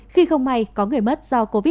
khi không may có người mất do covid một mươi